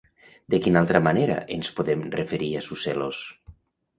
De quina altra manera ens podem referir a Sucellos?